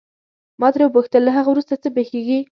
ما ترې وپوښتل له هغه وروسته څه پېښیږي.